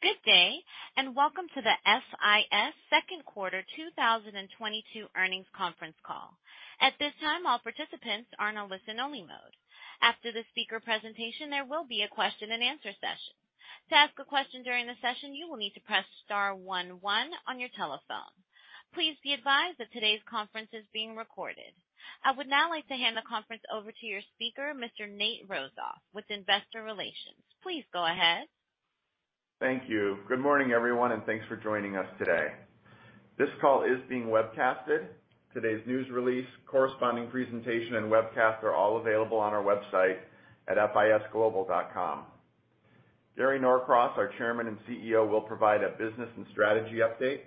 Good day, and welcome to the FIS Q2 2022 earnings conference call. At this time, all participants are in a listen-only mode. After the speaker presentation, there will be a question-and-answer session. To ask a question during the session, you will need to press star one one on your telephone. Please be advised that today's conference is being recorded. I would now like to hand the conference over to your speaker, Mr. Nate Rozof with Investor Relations. Please go ahead. Thank you. Good morning, everyone, and thanks for joining us today. This call is being webcast. Today's news release, corresponding presentation, and webcast are all available on our website at fisglobal.com. Gary Norcross, our Chairman and CEO, will provide a business and strategy update.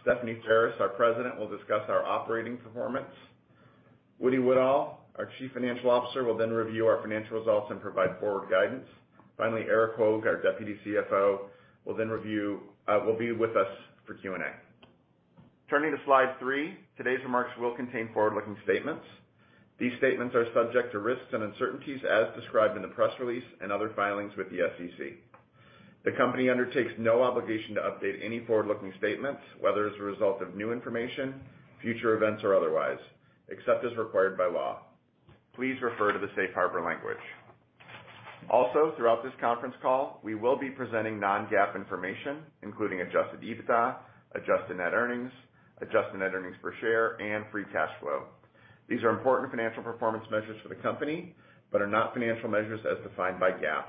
Stephanie Ferris, our President, will discuss our operating performance. Woody Woodall, our Chief Financial Officer, will then review our financial results and provide forward guidance. Finally, Erik Hoag, our Deputy CFO, will be with us for Q&A. Turning to slide three. Today's remarks will contain forward-looking statements. These statements are subject to risks and uncertainties as described in the press release and other filings with the SEC. The company undertakes no obligation to update any forward-looking statements, whether as a result of new information, future events, or otherwise, except as required by law. Please refer to the safe harbor language. Also, throughout this conference call, we will be presenting non-GAAP information, including Adjusted EBITDA, Adjusted Net Earnings, Adjusted Net Earnings Per Share, and Free Cash Flow. These are important financial performance measures for the company but are not financial measures as defined by GAAP.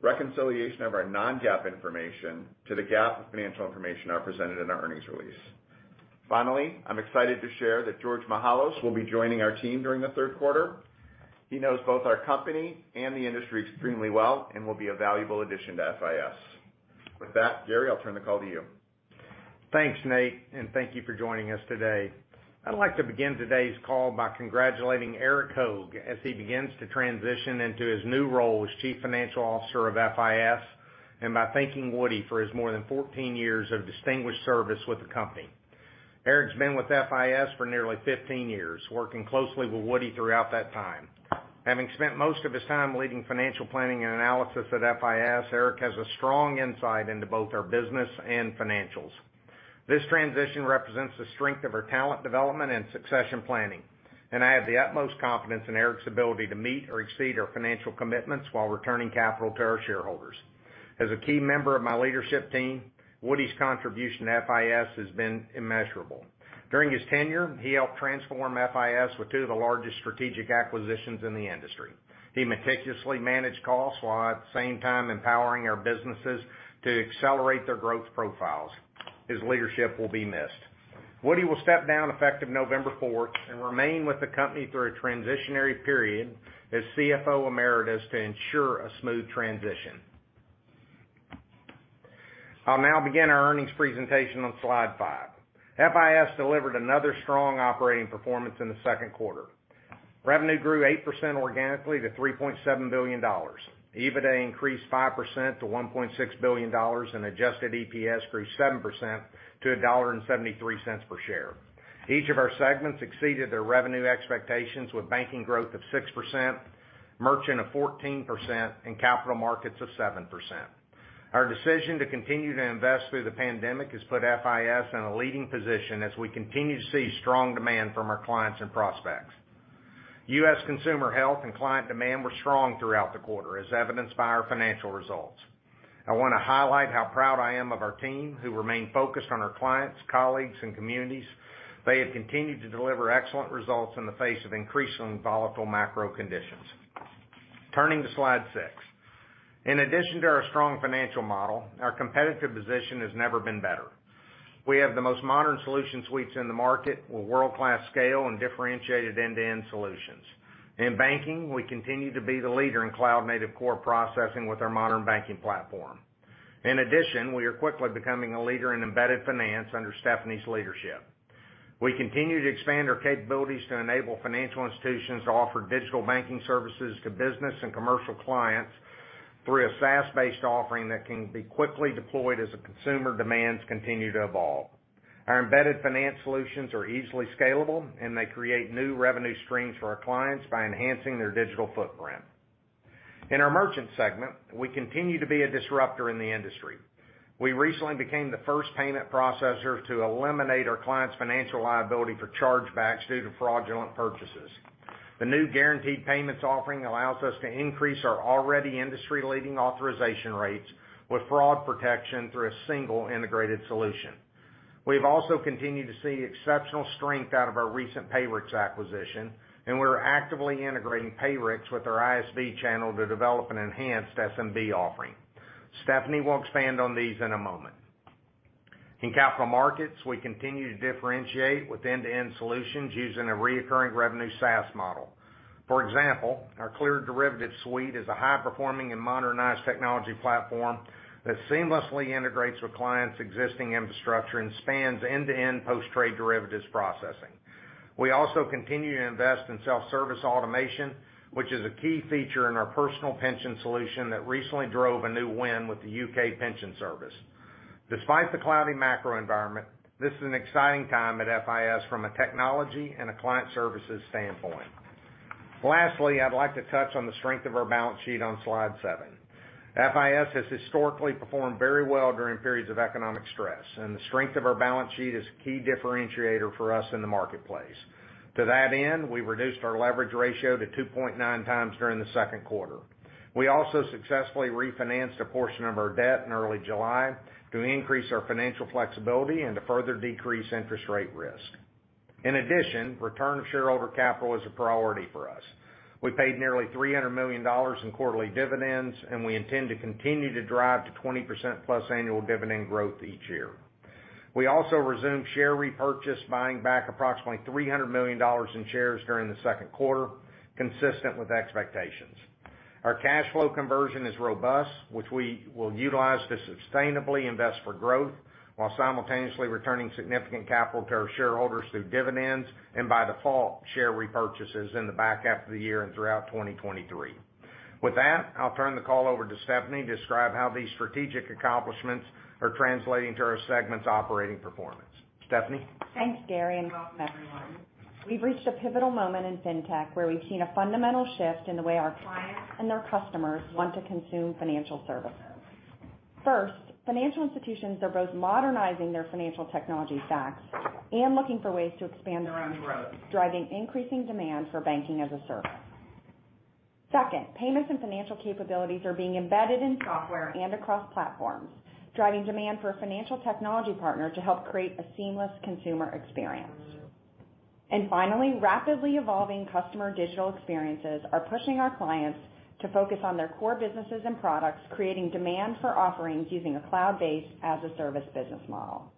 Reconciliation of our non-GAAP information to the GAAP financial information are presented in our earnings release. Finally, I'm excited to share that George Mihalos will be joining our team during the third quarter. He knows both our company and the industry extremely well and will be a valuable addition to FIS. With that, Gary, I'll turn the call to you. Thanks, Nate, and thank you for joining us today. I'd like to begin today's call by congratulating Erik Hoag as he begins to transition into his new role as Chief Financial Officer of FIS, and by thanking Woody for his more than 14 years of distinguished service with the company. Erik's been with FIS for nearly 15 years, working closely with Woody throughout that time. Having spent most of his time leading financial planning and analysis at FIS, Erik has a strong insight into both our business and financials. This transition represents the strength of our talent development and succession planning, and I have the utmost confidence in Erik's ability to meet or exceed our financial commitments while returning capital to our shareholders. As a key member of my leadership team, Woody's contribution to FIS has been immeasurable. During his tenure, he helped transform FIS with two of the largest strategic acquisitions in the industry. He meticulously managed costs while at the same time empowering our businesses to accelerate their growth profiles. His leadership will be missed. Woody will step down effective November fourth and remain with the company through a transitionary period as CFO Emeritus to ensure a smooth transition. I'll now begin our earnings presentation on slide 5. FIS delivered another strong operating performance in the second quarter. Revenue grew 8% organically to $3.7 billion. EBITDA increased 5% to $1.6 billion, and adjusted EPS grew 7% to $1.73 per share. Each of our segments exceeded their revenue expectations with banking growth of 6%, merchant of 14%, and capital markets of 7%. Our decision to continue to invest through the pandemic has put FIS in a leading position as we continue to see strong demand from our clients and prospects. U.S. consumer health and client demand were strong throughout the quarter, as evidenced by our financial results. I want to highlight how proud I am of our team, who remain focused on our clients, colleagues, and communities. They have continued to deliver excellent results in the face of increasingly volatile macro conditions. Turning to slide six. In addition to our strong financial model, our competitive position has never been better. We have the most modern solution suites in the market with world-class scale and differentiated end-to-end solutions. In banking, we continue to be the leader in cloud-native core processing with our Modern Banking Platform. In addition, we are quickly becoming a leader in embedded finance under Stephanie's leadership. We continue to expand our capabilities to enable financial institutions to offer digital banking services to business and commercial clients through a SaaS-based offering that can be quickly deployed as the consumer demands continue to evolve. Our embedded finance solutions are easily scalable, and they create new revenue streams for our clients by enhancing their digital footprint. In our merchant segment, we continue to be a disruptor in the industry. We recently became the first payment processor to eliminate our clients' financial liability for chargebacks due to fraudulent purchases. The new Guaranteed Payments offering allows us to increase our already industry-leading authorization rates with fraud protection through a single integrated solution. We've also continued to see exceptional strength out of our recent Payrix acquisition, and we're actively integrating Payrix with our ISV channel to develop an enhanced SMB offering. Stephanie will expand on these in a moment. In capital markets, we continue to differentiate with end-to-end solutions using a recurring revenue SaaS model. For example, our Cleared Derivatives Suite is a high-performing and modernized technology platform that seamlessly integrates with clients' existing infrastructure and spans end-to-end post-trade derivatives processing. We also continue to invest in self-service automation, which is a key feature in our personal pension solution that recently drove a new win with the Pension Service. Despite the cloudy macro environment, this is an exciting time at FIS from a technology and a client services standpoint. Lastly, I'd like to touch on the strength of our balance sheet on slide seven. FIS has historically performed very well during periods of economic stress, and the strength of our balance sheet is a key differentiator for us in the marketplace. To that end, we reduced our leverage ratio to 2.9x during the second quarter. We also successfully refinanced a portion of our debt in early July to increase our financial flexibility and to further decrease interest rate risk. In addition, return of shareholder capital is a priority for us. We paid nearly $300 million in quarterly dividends, and we intend to continue to drive to 20%+ annual dividend growth each year. We also resumed share repurchase, buying back approximately $300 million in shares during the second quarter, consistent with expectations. Our cash flow conversion is robust, which we will utilize to sustainably invest for growth while simultaneously returning significant capital to our shareholders through dividends and by default, share repurchases in the back half of the year and throughout 2023. With that, I'll turn the call over to Stephanie to describe how these strategic accomplishments are translating to our segment's operating performance. Stephanie? Thanks, Gary, and welcome, everyone. We've reached a pivotal moment in Fintech where we've seen a fundamental shift in the way our clients and their customers want to consume financial services. First, financial institutions are both modernizing their financial technology stacks and looking for ways to expand around growth, driving increasing demand for Banking-as-a-Service. Second, payments and financial capabilities are being embedded in software and across platforms, driving demand for a financial technology partner to help create a seamless consumer experience. Finally, rapidly evolving customer digital experiences are pushing our clients to focus on their core businesses and products, creating demand for offerings using a cloud-based, as-a-service business model.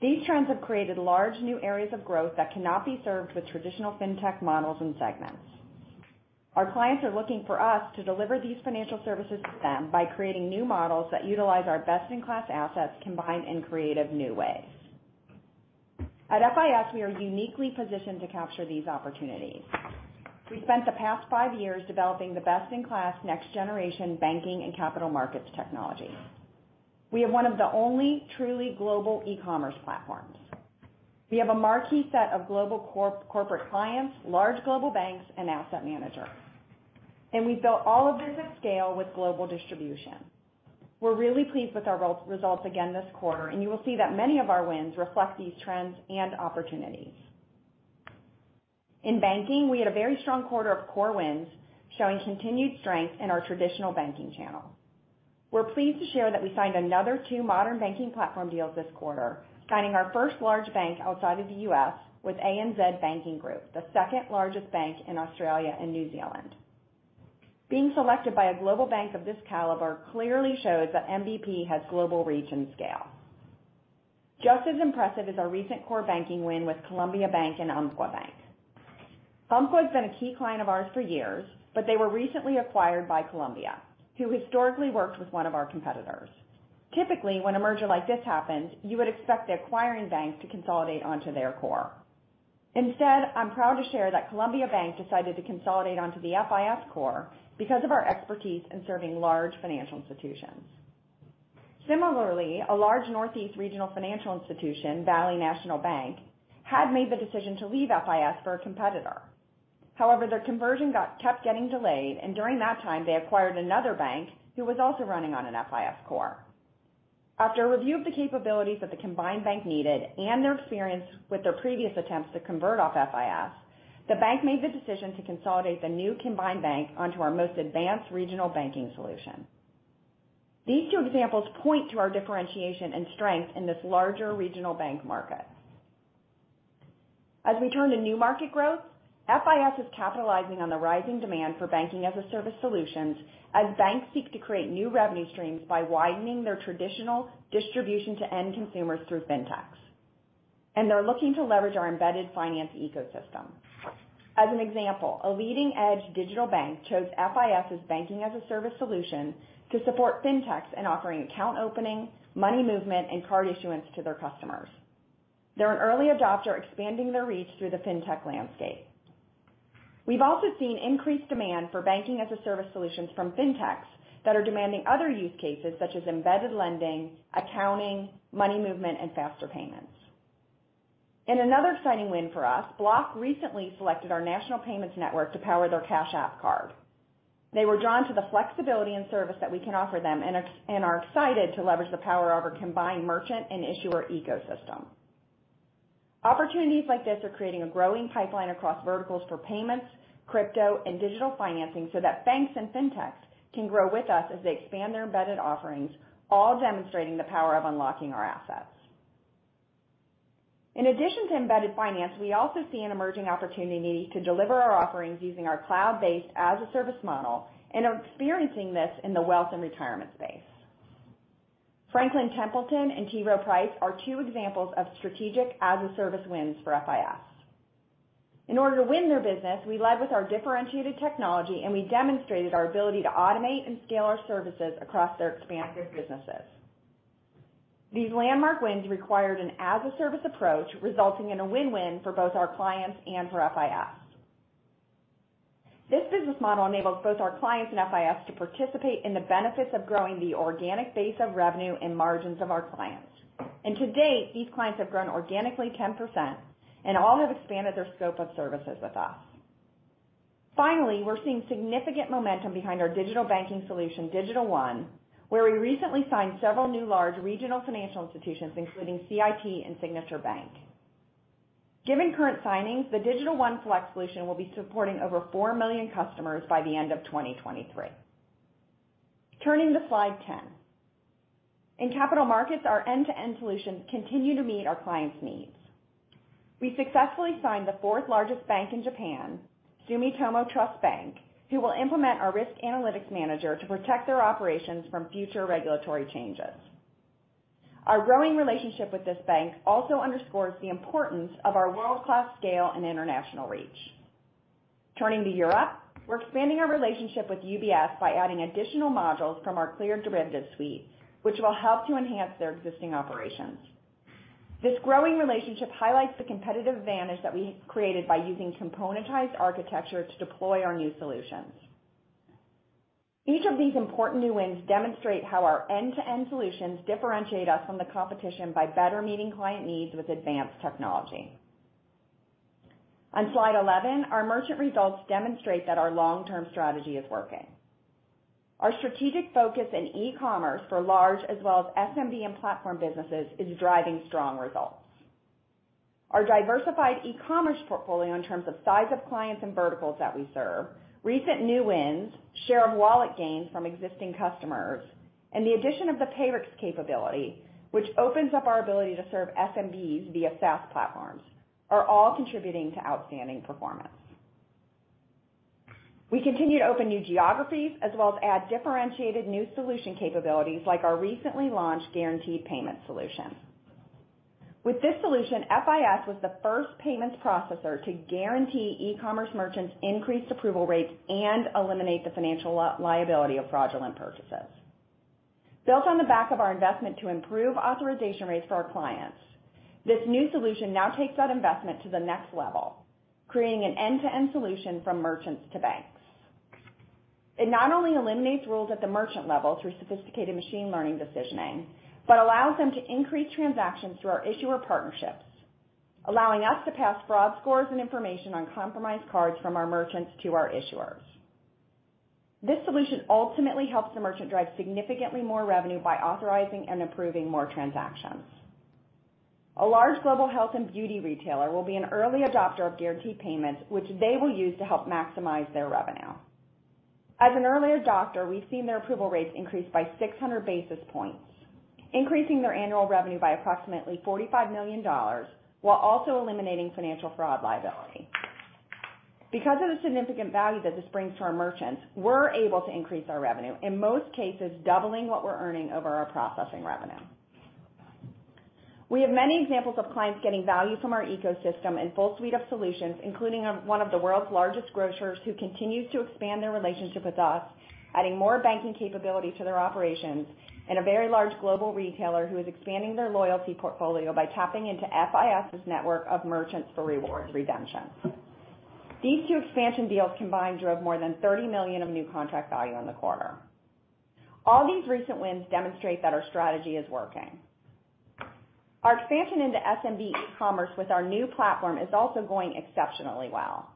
These trends have created large new areas of growth that cannot be served with traditional Fintech models and segments. Our clients are looking for us to deliver these financial services to them by creating new models that utilize our best-in-class assets combined in creative new ways. At FIS, we are uniquely positioned to capture these opportunities. We've spent the past five years developing the best-in-class next-generation banking and capital markets technology. We have one of the only truly global e-commerce platforms. We have a marquee set of global corporate clients, large global banks, and asset managers. We've built all of this at scale with global distribution. We're really pleased with our results again this quarter, and you will see that many of our wins reflect these trends and opportunities. In banking, we had a very strong quarter of core wins, showing continued strength in our traditional banking channel. We're pleased to share that we signed another two modern banking platform deals this quarter, signing our first large bank outside of the U.S. with ANZ Banking Group, the second-largest bank in Australia and New Zealand. Being selected by a global bank of this caliber clearly shows that MBP has global reach and scale. Just as impressive is our recent core banking win with Columbia Bank and Umpqua Bank. Umpqua has been a key client of ours for years, but they were recently acquired by Columbia, who historically worked with one of our competitors. Typically, when a merger like this happens, you would expect the acquiring bank to consolidate onto their core. Instead, I'm proud to share that Columbia Bank decided to consolidate onto the FIS core because of our expertise in serving large financial institutions. Similarly, a large Northeast regional financial institution, Valley National Bank, had made the decision to leave FIS for a competitor. However, their conversion kept getting delayed, and during that time, they acquired another bank who was also running on an FIS core. After a review of the capabilities that the combined bank needed and their experience with their previous attempts to convert off FIS, the bank made the decision to consolidate the new combined bank onto our most advanced regional banking solution. These two examples point to our differentiation and strength in this larger regional bank market. As we turn to new market growth, FIS is capitalizing on the rising demand for Banking-as-a-Service solutions as banks seek to create new revenue streams by widening their traditional distribution to end consumers through fintechs. They're looking to leverage our embedded finance ecosystem. As an example, a leading-edge digital bank chose FIS' banking-as-a-Service solution to support fintechs in offering account opening, money movement, and card issuance to their customers. They're an early adopter expanding their reach through the fintech landscape. We've also seen increased demand for banking-as-a-Service solutions from fintechs that are demanding other use cases such as embedded lending, accounting, money movement, and faster payments. In another exciting win for us, Block recently selected our national payments network to power their Cash App card. They were drawn to the flexibility and service that we can offer them and are excited to leverage the power of our combined merchant and issuer ecosystem. Opportunities like this are creating a growing pipeline across verticals for payments, crypto, and digital financing so that banks and fintechs can grow with us as they expand their embedded offerings, all demonstrating the power of unlocking our assets. In addition to embedded finance, we also see an emerging opportunity to deliver our offerings using our cloud-based as-a-service model and are experiencing this in the wealth and retirement space. Franklin Templeton and T. Rowe Price are two examples of strategic as-a-service wins for FIS. In order to win their business, we led with our differentiated technology, and we demonstrated our ability to automate and scale our services across their expansive businesses. These landmark wins required an as-a-service approach, resulting in a win-win for both our clients and for FIS. This business model enables both our clients and FIS to participate in the benefits of growing the organic base of revenue and margins of our clients. To date, these clients have grown organically 10% and all have expanded their scope of services with us. Finally, we're seeing significant momentum behind our digital banking solution, Digital One, where we recently signed several new large regional financial institutions, including CIT and Signature Bank. Given current signings, the Digital One Select solution will be supporting over 4 million customers by the end of 2023. Turning to slide 10. In capital markets, our end-to-end solutions continue to meet our clients' needs. We successfully signed the fourth-largest bank in Japan, Sumitomo Mitsui Trust Bank, who will implement our Risk Analytics Manager to protect their operations from future regulatory changes. Our growing relationship with this bank also underscores the importance of our world-class scale and international reach. Turning to Europe, we're expanding our relationship with UBS by adding additional modules from our Cleared Derivatives Suite, which will help to enhance their existing operations. This growing relationship highlights the competitive advantage that we created by using componentized architecture to deploy our new solutions. Each of these important new wins demonstrate how our end-to-end solutions differentiate us from the competition by better meeting client needs with advanced technology. On slide 11, our merchant results demonstrate that our long-term strategy is working. Our strategic focus in e-commerce for large as well as SMB and platform businesses is driving strong results. Our diversified e-commerce portfolio in terms of size of clients and verticals that we serve, recent new wins, share of wallet gains from existing customers, and the addition of the Payrix capability, which opens up our ability to serve SMBs via SaaS platforms, are all contributing to outstanding performance. We continue to open new geographies as well as add differentiated new solution capabilities like our recently launched Guaranteed Payments solution. With this solution, FIS was the first payments processor to guarantee e-commerce merchants increased approval rates and eliminate the financial liability of fraudulent purchases. Built on the back of our investment to improve authorization rates for our clients, this new solution now takes that investment to the next level, creating an end-to-end solution from merchants to banks. It not only eliminates rules at the merchant level through sophisticated machine learning decisioning, but allows them to increase transactions through our issuer partnerships, allowing us to pass fraud scores and information on compromised cards from our merchants to our issuers. This solution ultimately helps the merchant drive significantly more revenue by authorizing and approving more transactions. A large global health and beauty retailer will be an early adopter of Guaranteed Payments, which they will use to help maximize their revenue. As an early adopter, we've seen their approval rates increase by 600 basis points, increasing their annual revenue by approximately $45 million while also eliminating financial fraud liability. Because of the significant value that this brings to our merchants, we're able to increase our revenue, in most cases, doubling what we're earning over our processing revenue. We have many examples of clients getting value from our ecosystem and full suite of solutions, including one of the world's largest grocers who continues to expand their relationship with us, adding more banking capability to their operations, and a very large global retailer who is expanding their loyalty portfolio by tapping into FIS's network of merchants for rewards redemption. These two expansion deals combined drove more than $30 million of new contract value in the quarter. All these recent wins demonstrate that our strategy is working. Our expansion into SMB e-commerce with our new platform is also going exceptionally well.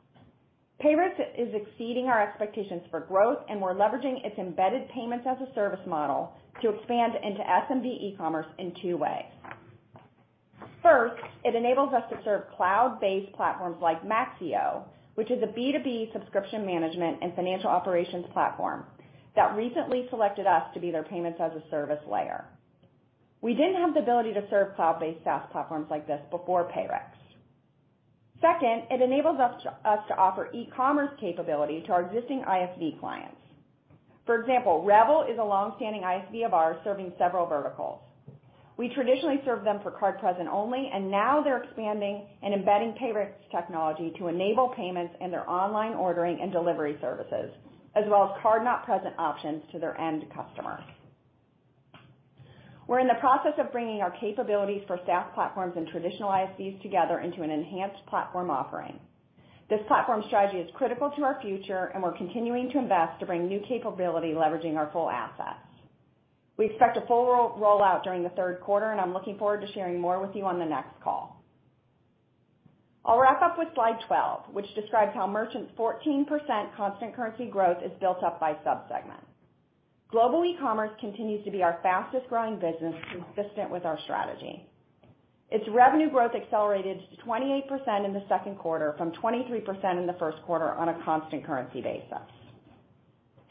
Payrix is exceeding our expectations for growth, and we're leveraging its embedded payments-as-a-service model to expand into SMB e-commerce in two ways. First, it enables us to serve cloud-based platforms like Maxio, which is a B2B subscription management and financial operations platform that recently selected us to be their payments-as-a-service layer. We didn't have the ability to serve cloud-based SaaS platforms like this before Payrix. Second, it enables us to offer e-commerce capability to our existing ISV clients. For example, Revel is a long-standing ISV of ours, serving several verticals. We traditionally serve them for card present only, and now they're expanding and embedding Payrix technology to enable payments in their online ordering and delivery services, as well as card not present options to their end customers. We're in the process of bringing our capabilities for SaaS platforms and traditional ISVs together into an enhanced platform offering. This platform strategy is critical to our future, and we're continuing to invest to bring new capability leveraging our full assets. We expect a full rollout during the third quarter, and I'm looking forward to sharing more with you on the next call. I'll wrap up with slide 12, which describes how merchants' 14% constant currency growth is built up by sub-segment. Global e-commerce continues to be our fastest-growing business consistent with our strategy. Its revenue growth accelerated to 28% in the second quarter from 23% in the first quarter on a constant currency basis.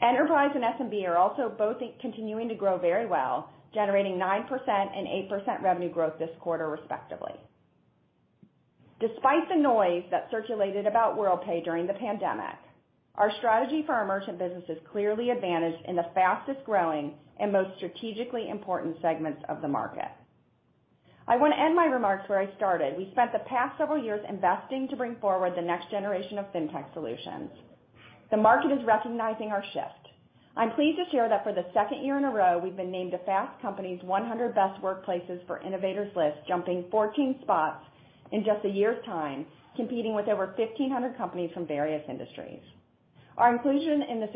Enterprise and SMB are also both continuing to grow very well, generating 9% and 8% revenue growth this quarter respectively. Despite the noise that circulated about Worldpay during the pandemic, our strategy for our merchant business is clearly advantaged in the fastest-growing and most strategically important segments of the market. I want to end my remarks where I started. We spent the past several years investing to bring forward the next generation of fintech solutions. The market is recognizing our shift. I'm pleased to share that for the second year in a row, we've been named a Fast Company’s 100 Best Workplaces for Innovators list, jumping 14 spots in just a year's time, competing with over 1,500 companies from various industries. Our inclusion in this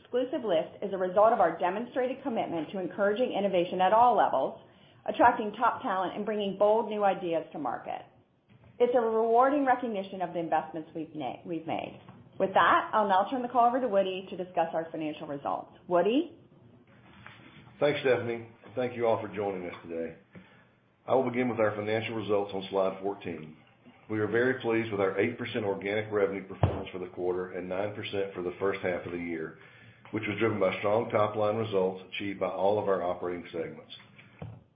exclusive list is a result of our demonstrated commitment to encouraging innovation at all levels, attracting top talent, and bringing bold new ideas to market. It's a rewarding recognition of the investments we've made. With that, I'll now turn the call over to Woody to discuss our financial results. Woody? Thanks, Stephanie. Thank you all for joining us today. I will begin with our financial results on slide 14. We are very pleased with our 8% organic revenue performance for the quarter and 9% for the first half of the year, which was driven by strong top-line results achieved by all of our operating segments.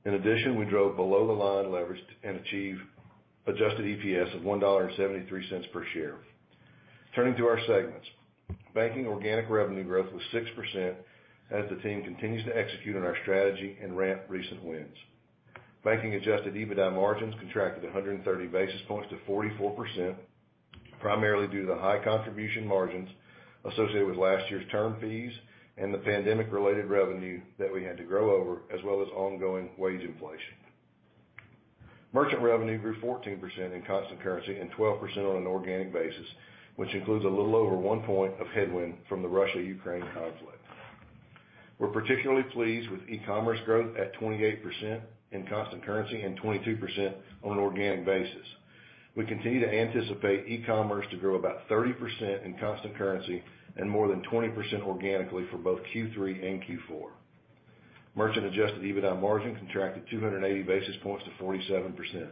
In addition, we drove below the line leverage and achieved adjusted EPS of $1.73 per share. Turning to our segments. Banking organic revenue growth was 6% as the team continues to execute on our strategy and ramp recent wins. Banking adjusted EBITDA margins contracted 130 basis points to 44%, primarily due to the high contribution margins associated with last year's term fees and the pandemic-related revenue that we had to grow over, as well as ongoing wage inflation. Merchant revenue grew 14% in constant currency and 12% on an organic basis, which includes a little over 1 point of headwind from the Russia-Ukraine conflict. We're particularly pleased with e-commerce growth at 28% in constant currency and 22% on an organic basis. We continue to anticipate e-commerce to grow about 30% in constant currency and more than 20% organically for both Q3 and Q4. Merchant-adjusted EBITDA margin contracted 280 basis points to 47%.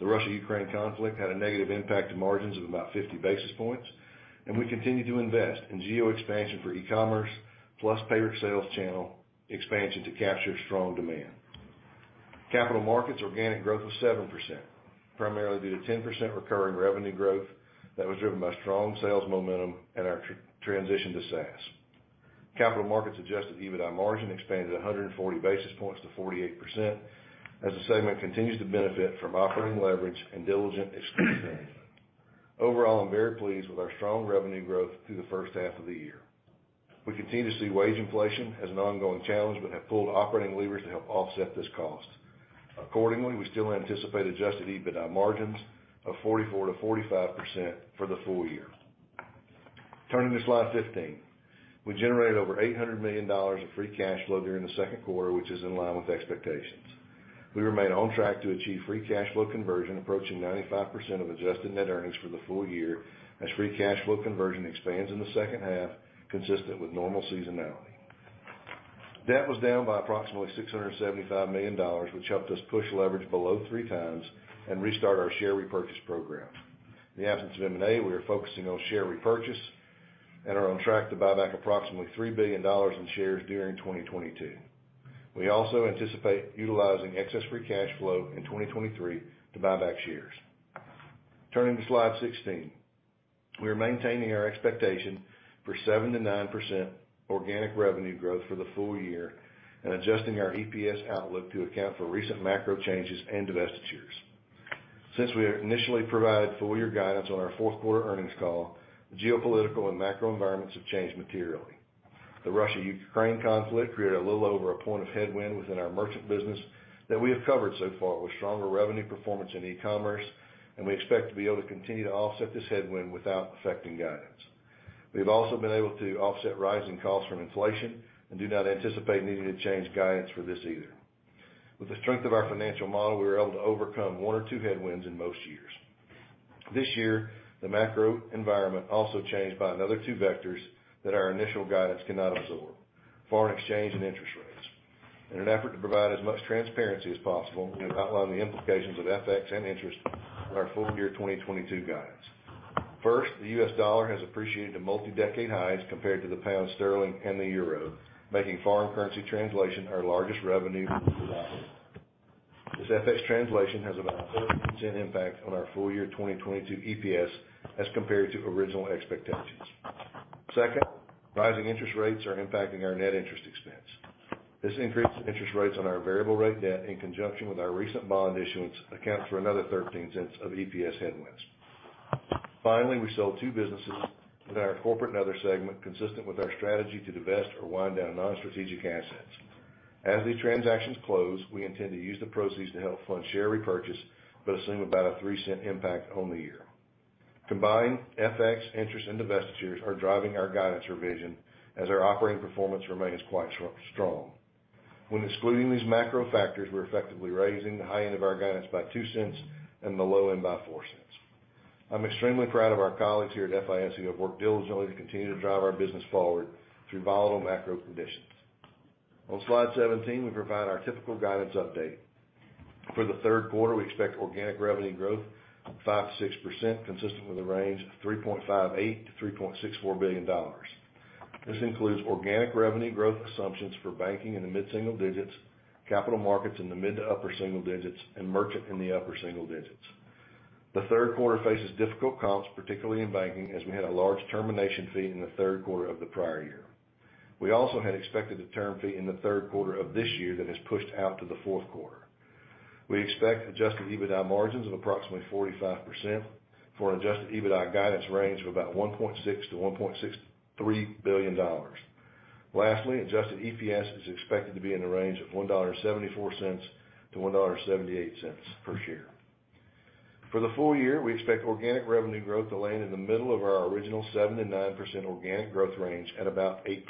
The Russia-Ukraine conflict had a negative impact to margins of about 50 basis points, and we continue to invest in geo expansion for e-commerce plus Payrix sales channel expansion to capture strong demand. Capital markets organic growth was 7%, primarily due to 10% recurring revenue growth that was driven by strong sales momentum and our transition to SaaS. Capital Markets adjusted EBITDA margin expanded 140 basis points to 48% as the segment continues to benefit from operating leverage and diligent expense management. Overall, I'm very pleased with our strong revenue growth through the first half of the year. We continue to see wage inflation as an ongoing challenge, but have pulled operating levers to help offset this cost. Accordingly, we still anticipate adjusted EBITDA margins of 44%-45% for the full year. Turning to slide 15. We generated over $800 million of free cash flow during the second quarter, which is in line with expectations. We remain on track to achieve free cash flow conversion approaching 95% of adjusted net earnings for the full year as free cash flow conversion expands in the second half, consistent with normal seasonality. Debt was down by approximately $675 million, which helped us push leverage below three times and restart our share repurchase program. In the absence of M&A, we are focusing on share repurchase and are on track to buy back approximately $3 billion in shares during 2022. We also anticipate utilizing excess free cash flow in 2023 to buy back shares. Turning to slide 16. We are maintaining our expectation for 7%-9% organic revenue growth for the full year and adjusting our EPS outlook to account for recent macro changes and divestitures. Since we initially provided full year guidance on our fourth quarter earnings call, the geopolitical and macro environments have changed materially. The Russia-Ukraine conflict created a little over a point of headwind within our merchant business that we have covered so far with stronger revenue performance in e-commerce, and we expect to be able to continue to offset this headwind without affecting guidance. We have also been able to offset rising costs from inflation and do not anticipate needing to change guidance for this either. With the strength of our financial model, we were able to overcome one or two headwinds in most years. This year, the macro environment also changed by another two vectors that our initial guidance cannot absorb, foreign exchange and interest rates. In an effort to provide as much transparency as possible, we have outlined the implications of FX and interest in our full-year 2022 guidance. First, the US dollar has appreciated to multi-decade highs compared to the pound sterling and the euro, making foreign currency translation our largest revenue liability. This FX translation has about 3% impact on our full year 2022 EPS as compared to original expectations. Second, rising interest rates are impacting our net interest expense. This increase in interest rates on our variable rate debt in conjunction with our recent bond issuance accounts for another $0.13 of EPS headwinds. Finally, we sold two businesses within our corporate and other segment consistent with our strategy to divest or wind down non-strategic assets. As these transactions close, we intend to use the proceeds to help fund share repurchase, but assume about a $0.03 impact on the year. Combined, FX interest and divestitures are driving our guidance revision as our operating performance remains quite strong. When excluding these macro factors, we're effectively raising the high end of our guidance by $0.02 and the low end by $0.04. I'm extremely proud of our colleagues here at FIS who have worked diligently to continue to drive our business forward through volatile macro conditions. On slide 17, we provide our typical guidance update. For the third quarter, we expect organic revenue growth of 5%-6%, consistent with a range of $3.58 billion-$3.64 billion. This includes organic revenue growth assumptions for banking in the mid-single digits, capital markets in the mid to upper single digits, and merchant in the upper single digits. The third quarter faces difficult comps, particularly in banking, as we had a large termination fee in the third quarter of the prior year. We also had expected a term fee in the third quarter of this year that has pushed out to the fourth quarter. We expect Adjusted EBITDA margins of approximately 45% for an Adjusted EBITDA guidance range of about $1.6 billion-$1.63 billion. Lastly, adjusted EPS is expected to be in the range of $1.74-$1.78 per share. For the full year, we expect organic revenue growth to land in the middle of our original 7%-9% organic growth range at about 8%.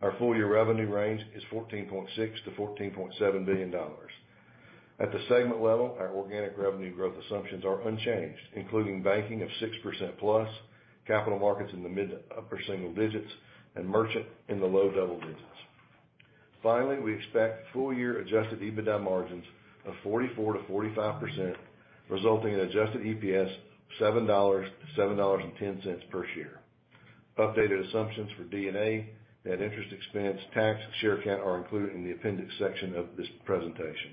Our full-year revenue range is $14.6 billion-$14.7 billion. At the segment level, our organic revenue growth assumptions are unchanged, including banking of 6%+, capital markets in the mid upper single digits, and merchant in the low double digits. Finally, we expect full year Adjusted EBITDA margins of 44%-45%, resulting in Adjusted EPS of $7 to $7.10 per year. Updated assumptions for D&A, net interest expense, tax, share count are included in the appendix section of this presentation.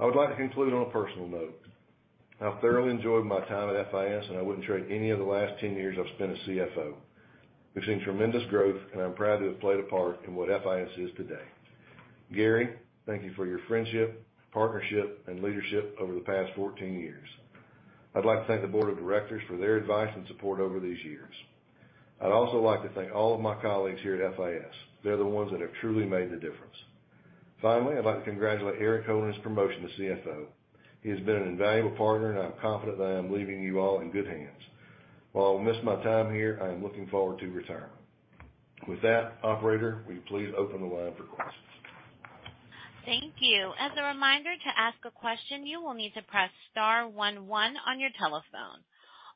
I would like to conclude on a personal note. I've thoroughly enjoyed my time at FIS, and I wouldn't trade any of the last 10 years I've spent as CFO. We've seen tremendous growth, and I'm proud to have played a part in what FIS is today. Gary, thank you for your friendship, partnership, and leadership over the past 14 years. I'd like to thank the board of directors for their advice and support over these years. I'd also like to thank all of my colleagues here at FIS. They're the ones that have truly made the difference. Finally, I'd like to congratulate Erik Hoag on his promotion to CFO. He has been an invaluable partner, and I'm confident that I am leaving you all in good hands. While I will miss my time here, I am looking forward to retirement. With that, operator, will you please open the line for questions? Thank you. As a reminder, to ask a question, you will need to press star one one on your telephone.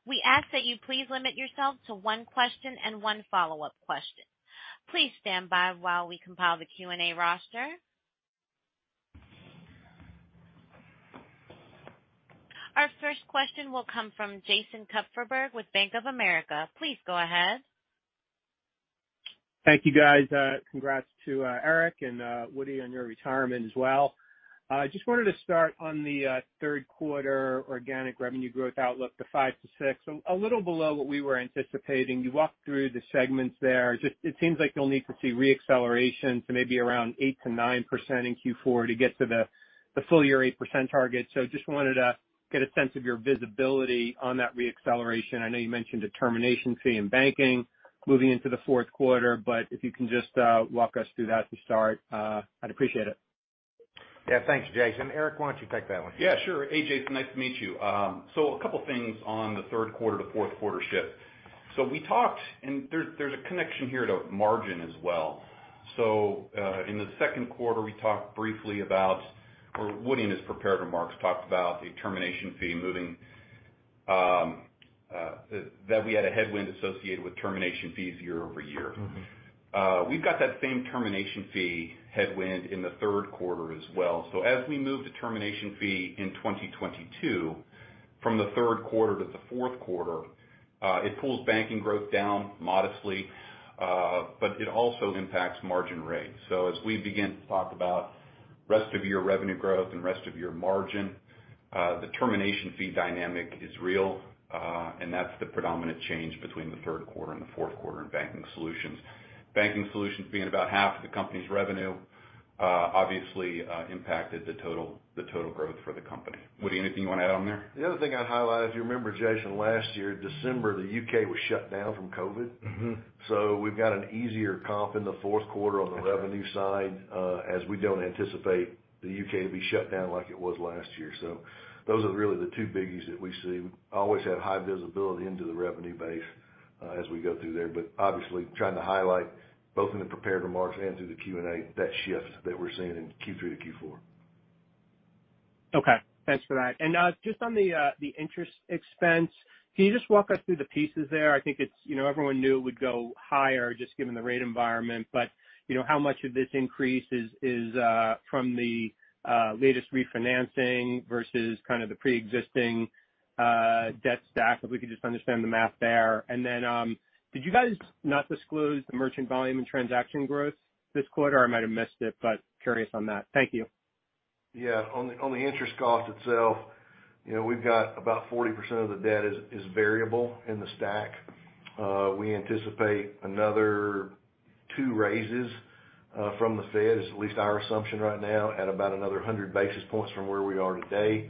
We ask that you please limit yourself to one question and one follow-up question. Please stand by while we compile the Q&A roster. Our first question will come from Jason Kupferberg with Bank of America. Please go ahead. Thank you, guys. Congrats to Erik and Woody on your retirement as well. Just wanted to start on the third quarter organic revenue growth outlook to 5%-6%. A little below what we were anticipating. You walked through the segments there. Just, it seems like you'll need to see re-acceleration to maybe around 8%-9% in Q4 to get to the full year 8% target. Just wanted to get a sense of your visibility on that re-acceleration. I know you mentioned a termination fee in banking moving into the fourth quarter, but if you can just walk us through that to start, I'd appreciate it. Yeah. Thanks, Jason. Erik, why don't you take that one? Yeah, sure. Hey, Jason, nice to meet you. A couple things on the third quarter to fourth quarter shift. We talked, and there's a connection here to margin as well. In the second quarter, we talked briefly about or Woody, in his prepared remarks, talked about a termination fee moving, that we had a headwind associated with termination fees year-over-year. Mm-hmm. We've got that same termination fee headwind in the third quarter as well. As we move the termination fee in 2022 from the third quarter to the fourth quarter, it pulls banking growth down modestly, but it also impacts margin rates. As we begin to talk about rest of year revenue growth and rest of year margin, the termination fee dynamic is real, and that's the predominant change between the third quarter and the fourth quarter in banking solutions. Banking solutions being about half of the company's revenue, obviously, impacted the total growth for the company. Woody, anything you wanna add on there? The other thing I'd highlight, if you remember Jason, last year, December, the U.K. was shut down from COVID. Mm-hmm. We've got an easier comp in the fourth quarter on the revenue side, as we don't anticipate the U.K. to be shut down like it was last year. Those are really the two biggies that we see. We always have high visibility into the revenue base, as we go through there. Obviously, trying to highlight both in the prepared remarks and through the Q&A, that shift that we're seeing in Q3 to Q4. Okay. Thanks for that. Just on the interest expense, can you just walk us through the pieces there? I think it's, you know, everyone knew it would go higher just given the rate environment. You know, how much of this increase is from the latest refinancing versus kind of the preexisting debt stack, if we could just understand the math there. Then, did you guys not disclose the merchant volume and transaction growth this quarter? I might have missed it, but curious on that. Thank you. Yeah. On the interest cost itself, you know, we've got about 40% of the debt is variable in the stack. We anticipate another two raises from the Fed, is at least our assumption right now, at about another 100 basis points from where we are today,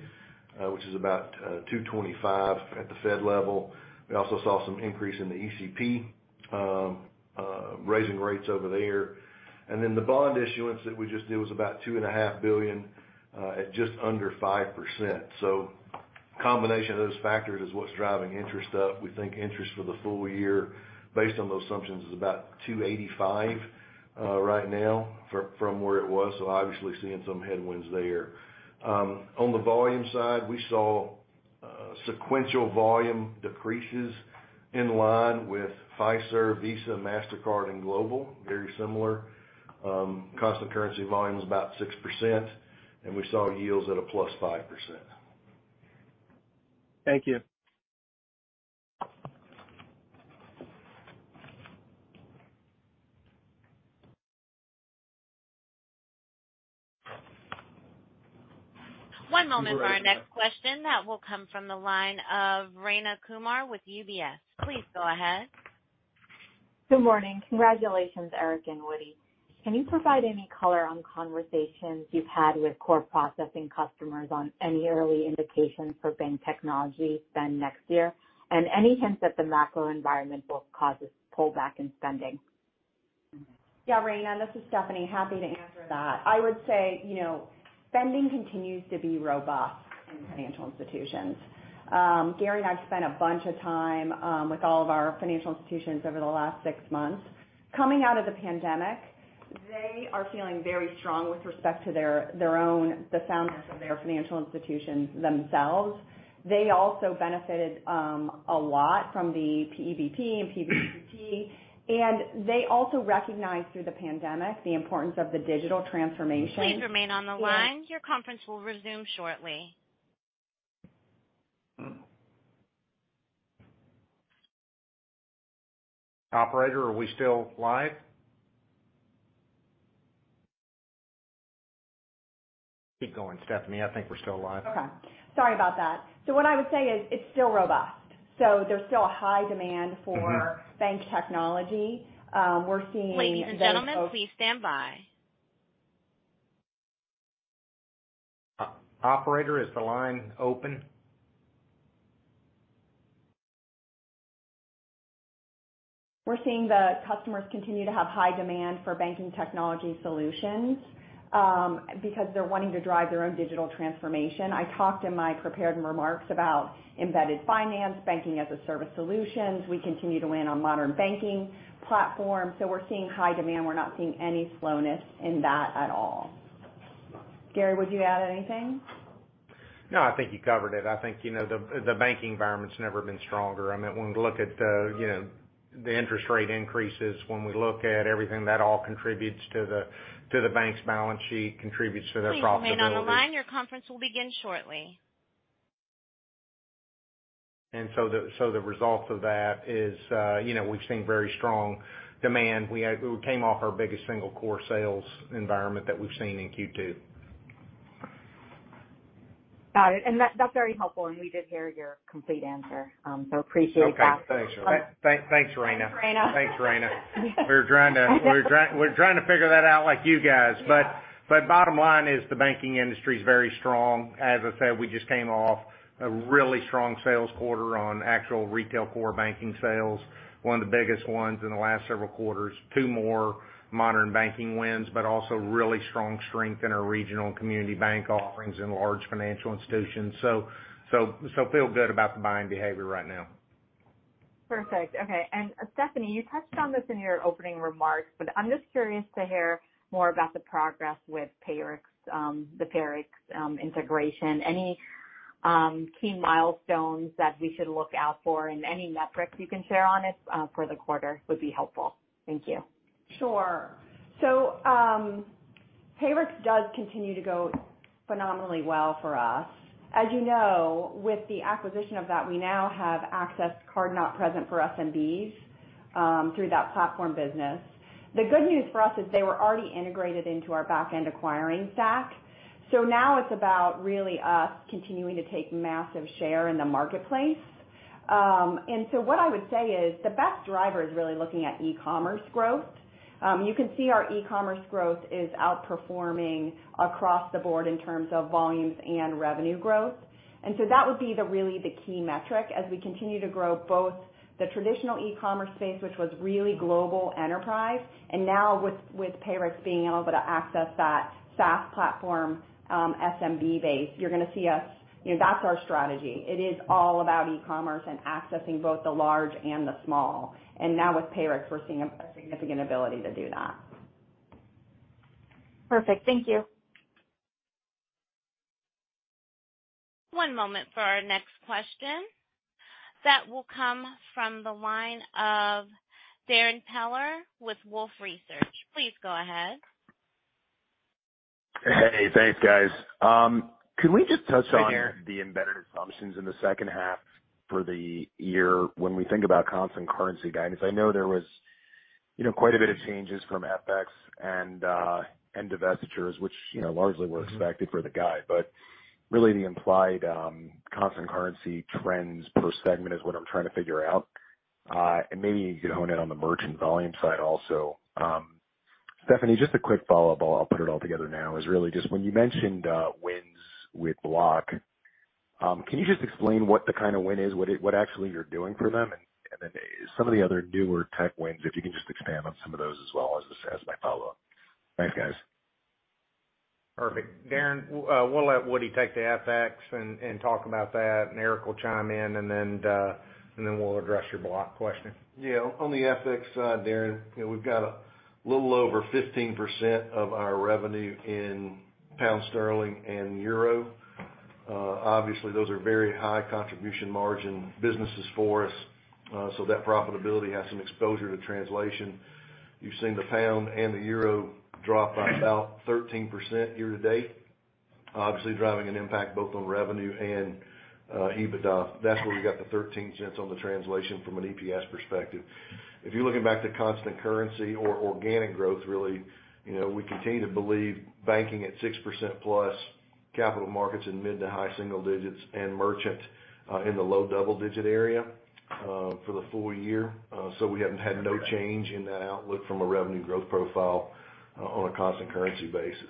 which is about 2.25% at the Fed level. We also saw some increase in the ECB, raising rates over there. Then the bond issuance that we just did was about $2.5 billion at just under 5%. Combination of those factors is what's driving interest up. We think interest for the full year, based on those assumptions, is about $285 right now from where it was, so obviously seeing some headwinds there. On the volume side, we saw sequential volume decreases in line with Fiserv, Visa, Mastercard, and Global Payments, very similar. Constant currency volume is about 6%, and we saw yields at a +5%. Thank you. One moment for our next question that will come from the line of Rayna Kumar with UBS. Please go ahead. Good morning. Congratulations, Erik and Woody. Can you provide any color on conversations you've had with core processing customers on any early indications for bank technology spend next year? Any hints that the macro environment will cause a pullback in spending? Yeah, Rayna, this is Stephanie. Happy to answer that. I would say, you know, spending continues to be robust in financial institutions. Gary and I've spent a bunch of time with all of our financial institutions over the last six months. Coming out of the pandemic, they are feeling very strong with respect to their own, the soundness of their financial institutions themselves. They also benefited a lot from the PPP and PBPT, and they also recognize through the pandemic the importance of the digital transformation. Please remain on the line. Your conference will resume shortly. Operator, are we still live? Keep going, Stephanie. I think we're still live. Okay, sorry about that. What I would say is it's still robust. There's still a high demand for Mm-hmm. bank technology. We're seeing- Ladies and gentlemen, please stand by. Operator, is the line open? We're seeing the customers continue to have high demand for banking technology solutions, because they're wanting to drive their own digital transformation. I talked in my prepared remarks about embedded finance, Banking-as-a-Service solutions. We continue to win on Modern Banking Platforms. We're seeing high demand. We're not seeing any slowness in that at all. Gary, would you add anything? No, I think you covered it. I think, you know, the banking environment's never been stronger. I mean, when we look at, you know, the interest rate increases, when we look at everything, that all contributes to the bank's balance sheet, contributes to their profitability. Please remain on the line. Your conference will begin shortly. The result of that is, you know, we've seen very strong demand. We came off our biggest single core sales environment that we've seen in Q2. Got it. That's very helpful. We did hear your complete answer. Appreciate that. Okay, thanks. Thanks, Rayna. Thanks, Rayna. Thanks, Rayna. We're trying to figure that out like you guys. Yeah. bottom line is the banking industry is very strong. As I said, we just came off a really strong sales quarter on actual retail core banking sales. One of the biggest ones in the last several quarters. Two more modern banking wins, but also really strong strength in our regional and community bank offerings and large financial institutions. feel good about the buying behavior right now. Perfect. Okay. Stephanie, you touched on this in your opening remarks, but I'm just curious to hear more about the progress with the Payrix integration. Any key milestones that we should look out for and any metrics you can share on it, for the quarter would be helpful. Thank you. Sure. Payrix does continue to go phenomenally well for us. As you know, with the acquisition of that, we now have access to card-not-present for SMBs through that platform business. The good news for us is they were already integrated into our back-end acquiring stack. Now it's about really us continuing to take massive share in the marketplace. What I would say is the best driver is really looking at e-commerce growth. You can see our e-commerce growth is outperforming across the board in terms of volumes and revenue growth. That would be really the key metric as we continue to grow both the traditional e-commerce space, which was really global enterprise, and now with Payrix being able to access that SaaS platform, SMB base, you're gonna see us. You know, that's our strategy. It is all about e-commerce and accessing both the large and the small. Now with Payrix, we're seeing a significant ability to do that. Perfect. Thank you. One moment for our next question. That will come from the line of Darrin Peller with Wolfe Research. Please go ahead. Hey, thanks, guys. Can we just touch on? Hi, Darrin. The embedded assumptions in the second half for the year when we think about constant currency guidance? I know there was, you know, quite a bit of changes from FX and divestitures, which, you know, largely were expected for the guide. Really the implied constant currency trends per segment is what I'm trying to figure out. Maybe you could hone in on the merchant volume side also. Stephanie, just a quick follow-up. I'll put it all together now, is really just when you mentioned wins with Block, can you just explain what the kinda win is, what actually you're doing for them? And then some of the other newer tech wins, if you can just expand on some of those as well as my follow-up. Thanks, guys. Perfect. Darrin, we'll let Woody take the FX and talk about that, and Erik will chime in, and then we'll address your Block question. Yeah. On the FX side, Darren, you know, we've got a little over 15% of our revenue in pound sterling and euro. Obviously, those are very high contribution margin businesses for us, so that profitability has some exposure to translation. You've seen the pound and the euro drop by about 13% year-to-date, obviously driving an impact both on revenue and EBITDA. That's where we got the $0.13 on the translation from an EPS perspective. If you're looking back to constant currency or organic growth, really, you know, we continue to believe banking at 6%+, capital markets in mid- to high-single digits percentage, and merchant in the low double-digit area percentage. For the full year. We haven't had no change in that outlook from a revenue growth profile on a constant currency basis.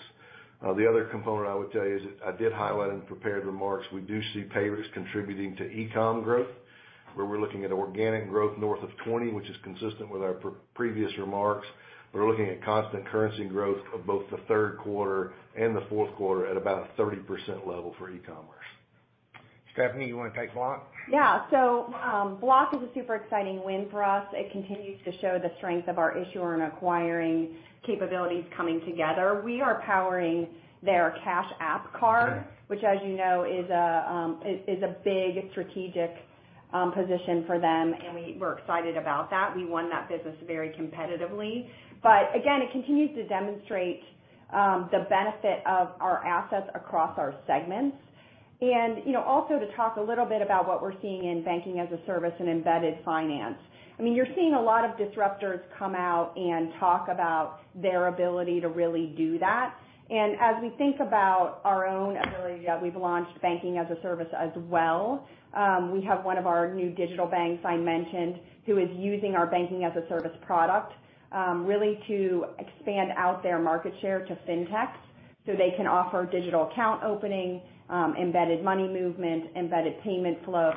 The other component I would tell you is I did highlight in prepared remarks, we do see payers contributing to e-com growth, where we're looking at organic growth north of 20%, which is consistent with our previous remarks. We're looking at constant currency growth of both the third quarter and the fourth quarter at about a 30% level for e-commerce. Stephanie, you wanna take Block? Yeah. Block is a super exciting win for us. It continues to show the strength of our issuer and acquiring capabilities coming together. We are powering their Cash App card, which as you know is a big strategic position for them, and we're excited about that. We won that business very competitively. It continues to demonstrate the benefit of our assets across our segments. You know, also to talk a little bit about what we're seeing in Banking-as-a-Service and embedded finance. I mean, you're seeing a lot of disruptors come out and talk about their ability to really do that. As we think about our own ability, we've launched Banking-as-a-Service as well. We have one of our new digital banks I mentioned, who is using our banking-as-a-service product, really to expand out their market share to fintech so they can offer digital account opening, embedded money movement, embedded payment flow.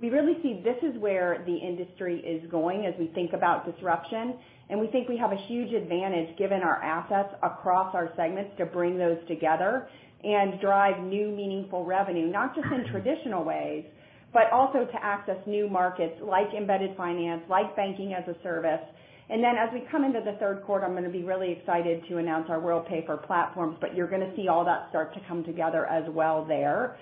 We really see this is where the industry is going as we think about disruption. We think we have a huge advantage given our assets across our segments to bring those together and drive new meaningful revenue, not just in traditional ways, but also to access new markets like embedded finance, like banking-as-a-service. As we come into the third quarter, I'm gonna be really excited to announce our Worldpay for Platforms, but you're gonna see all that start to come together as well there.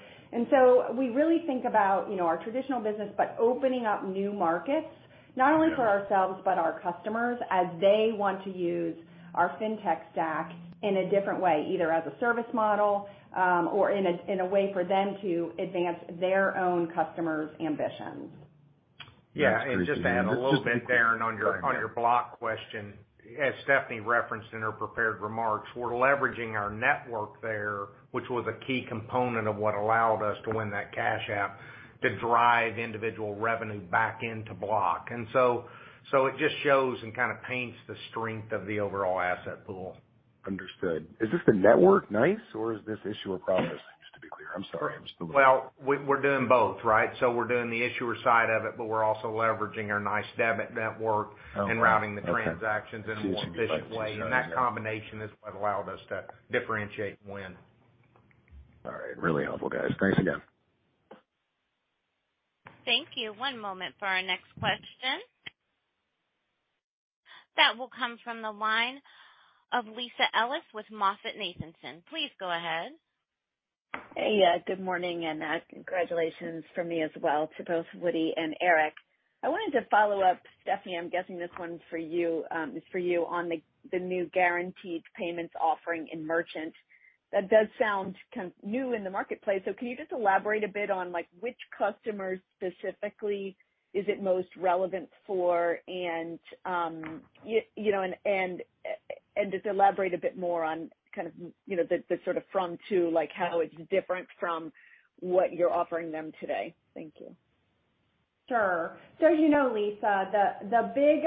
We really think about, you know, our traditional business, but opening up new markets, not only for ourselves, but our customers, as they want to use our fintech stack in a different way, either as a service model, or in a way for them to advance their own customers' ambitions. Yeah. Just to add a little bit there on your Block question. As Stephanie referenced in her prepared remarks, we're leveraging our network there, which was a key component of what allowed us to win that Cash App to drive incremental revenue back into Block. So it just shows and kinda paints the strength of the overall asset pool. Understood. Is this the network NYCE or is this issuer processing? Just to be clear. I'm sorry. I'm just a little- Well, we're doing both, right? We're doing the issuer side of it, but we're also leveraging our NYCE debit network. Oh, okay. routing the transactions in a more efficient way. That combination is what allowed us to differentiate and win. All right. Really helpful guys. Thanks again. Thank you. One moment for our next question. That will come from the line of Lisa Ellis with MoffettNathanson. Please go ahead. Hey, good morning, and congratulations from me as well to both Woody and Erik. I wanted to follow up, Stephanie. I'm guessing this one's for you, is for you on the new Guaranteed Payments offering in merchant. That does sound kind of new in the marketplace. Can you just elaborate a bit on like which customers specifically is it most relevant for? And you know, and just elaborate a bit more on kind of, you know, the sort of from to, like how it's different from what you're offering them today. Thank you. Sure. You know, Lisa, the big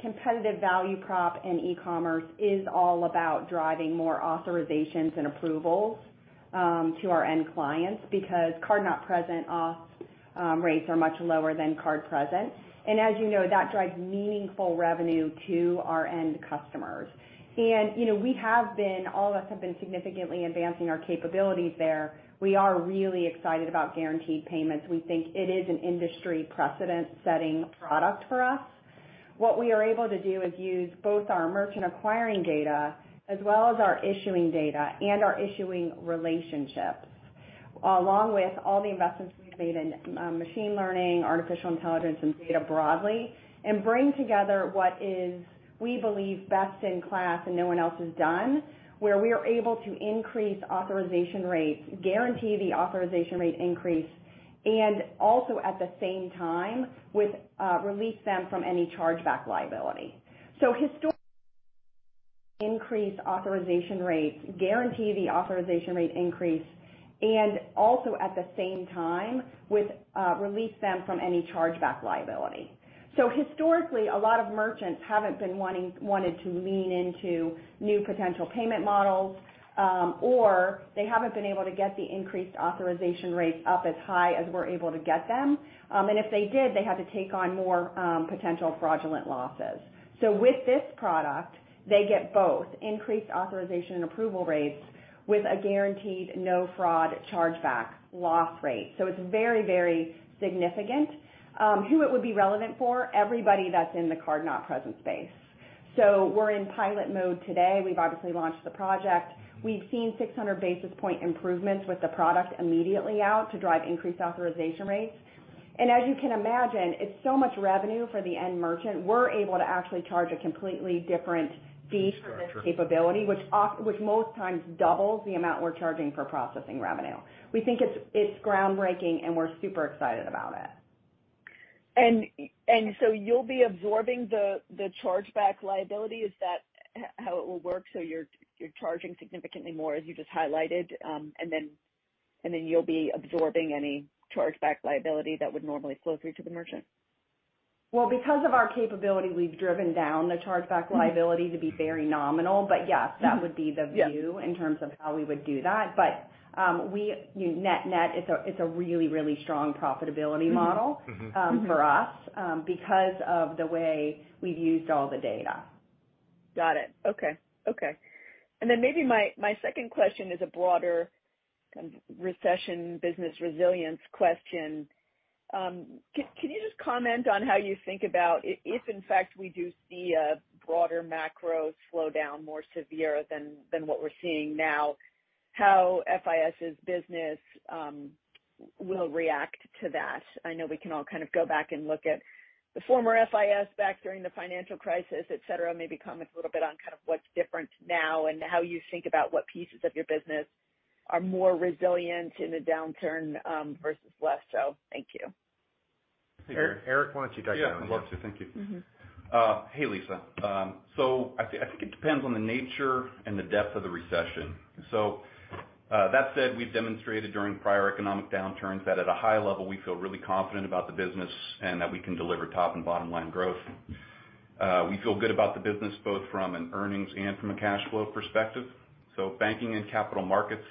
competitive value prop in e-commerce is all about driving more authorizations and approvals to our end clients because card-not-present auth rates are much lower than card-present. As you know, that drives meaningful revenue to our end customers. You know, all of us have been significantly advancing our capabilities there. We are really excited about Guaranteed Payments. We think it is an industry precedent-setting product for us. What we are able to do is use both our merchant acquiring data as well as our issuing data and our issuing relationships, along with all the investments we've made in machine learning, artificial intelligence, and data broadly, and bring together what is, we believe, best in class and no one else has done, where we are able to increase authorization rates, guarantee the authorization rate increase, and also at the same time, release them from any chargeback liability. Historically, a lot of merchants haven't wanted to lean into new potential payment models, or they haven't been able to get the increased authorization rates up as high as we're able to get them. If they did, they had to take on more potential fraudulent losses. With this product, they get both increased authorization and approval rates with a guaranteed no-fraud chargeback loss rate. It's very, very significant. Who it would be relevant for? Everybody that's in the card-not-present space. We're in pilot mode today. We've obviously launched the project. We've seen 600 basis point improvements with the product immediately to drive increased authorization rates. As you can imagine, it's so much revenue for the end merchant. We're able to actually charge a completely different fee for this capability, which most times doubles the amount we're charging for processing revenue. We think it's groundbreaking, and we're super excited about it. You'll be absorbing the chargeback liability. Is that how it will work? You're charging significantly more as you just highlighted, and then you'll be absorbing any chargeback liability that would normally flow through to the merchant? Well, because of our capability, we've driven down the chargeback liability to be very nominal. Yes, that would be the view in terms of how we would do that. Net-net, it's a really strong profitability model. Mm-hmm. For us, because of the way we've used all the data. Got it. Okay. Maybe my second question is a broader kind of recession business resilience question. Can you just comment on how you think about if in fact we do see a broader macro slowdown more severe than what we're seeing now, how FIS's business will react to that? I know we can all kind of go back and look at the former FIS back during the financial crisis, et cetera. Maybe comment a little bit on kind of what's different now and how you think about what pieces of your business are more resilient in a downturn versus less so. Thank you. Erik, why don't you dive down here? Yeah. I'd love to. Thank you. Mm-hmm. Hey, Lisa. I think it depends on the nature and the depth of the recession. That said, we've demonstrated during prior economic downturns that at a high level, we feel really confident about the business and that we can deliver top and bottom-line growth. We feel good about the business both from an earnings and from a cash flow perspective. Banking and capital markets,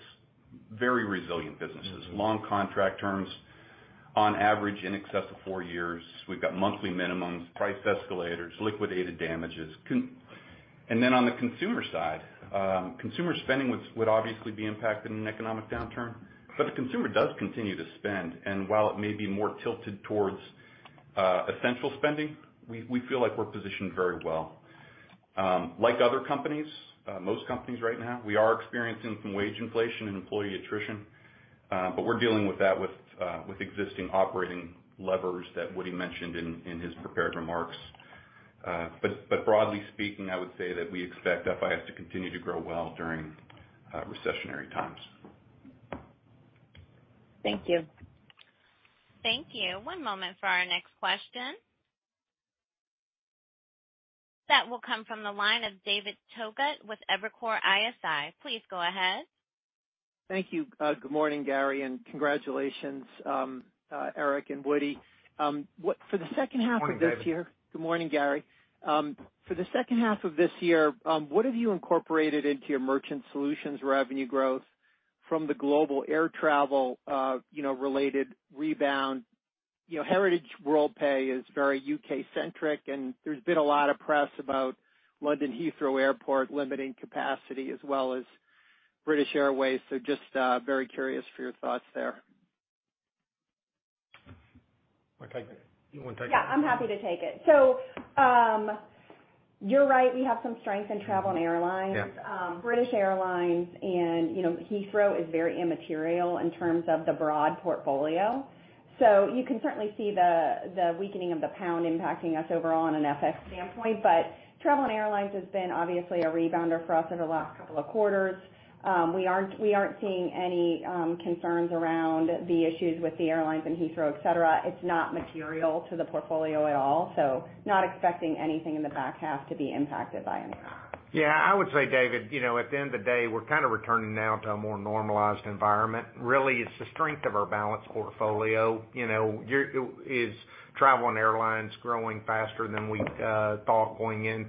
very resilient businesses. Long contract terms, on average in excess of four years. We've got monthly minimums, price escalators, liquidated damages. On the consumer side, consumer spending would obviously be impacted in an economic downturn, but the consumer does continue to spend. While it may be more tilted towards essential spending, we feel like we're positioned very well. Like other companies, most companies right now, we are experiencing some wage inflation and employee attrition, but we're dealing with that with existing operating levers that Woody mentioned in his prepared remarks. But broadly speaking, I would say that we expect FIS to continue to grow well during recessionary times. Thank you. Thank you. One moment for our next question. That will come from the line of David Togut with Evercore ISI. Please go ahead. Thank you. Good morning, Gary, and congratulations, Erik and Woody. For the second half of this year- Good morning, David. Good morning, Gary. For the second half of this year, what have you incorporated into your merchant solutions revenue growth from the global air travel, you know, related rebound? You know, Heritage Worldpay is very U.K.-centric, and there's been a lot of press about London Heathrow Airport limiting capacity as well as British Airways. Just very curious for your thoughts there. I'll take it. You wanna take it? Yeah, I'm happy to take it. You're right, we have some strength in travel and airlines. Yeah. British Airways and, you know, Heathrow is very immaterial in terms of the broad portfolio. You can certainly see the weakening of the pound sterling impacting us overall on an FX standpoint. Travel and airlines has been obviously a rebounder for us in the last couple of quarters. We aren't seeing any concerns around the issues with the airlines in Heathrow, et cetera. It's not material to the portfolio at all, so not expecting anything in the back half to be impacted by any of that. Yeah. I would say, David, you know, at the end of the day, we're kind of returning now to a more normalized environment. Really, it's the strength of our balanced portfolio. You know, is travel and airlines growing faster than we thought going in